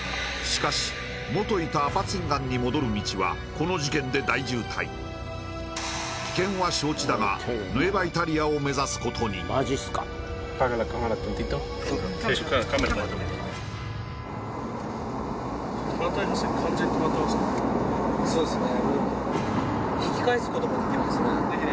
しかしもといたアパツィンガンに戻る道はこの事件で大渋滞危険は承知だがヌエバ・イタリアを目指すことにできないですね